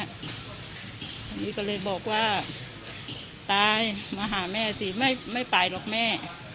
อันนี้ก็เลยบอกว่าตายมาหาแม่สิไม่ไปหรอกแม่